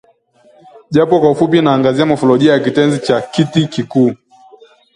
japo kwa ufupi inaangazia mofolojia ya kitenzi cha Kitikuu